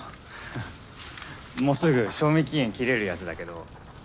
もうすぐ賞味期限切れるやつだけど。